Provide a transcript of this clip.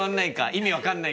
意味分かんないか。